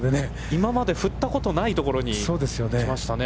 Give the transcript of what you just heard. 今まで振ったことないところに行きましたね。